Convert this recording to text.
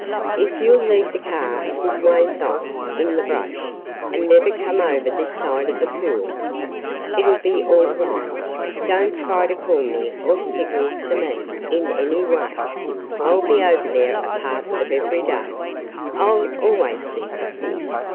"If you 'll leave the car a good ways off – in the brush, and never come over this side of the pool, it 'll be all right. Don't try to call me or signal to me – in any way. I 'll be over there a part of every day. I 'll always see you."